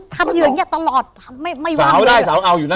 สาวได้สาวเอาอยู่นั่น